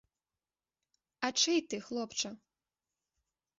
А чый ты, хлопча?